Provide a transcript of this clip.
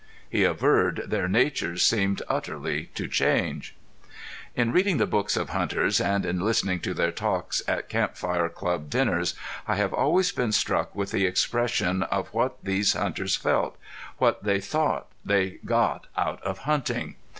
He averred their natures seemed utterly to change. In reading the books of hunters and in listening to their talks at Camp fire Club dinners I have always been struck with the expression of what these hunters felt, what they thought they got out of hunting.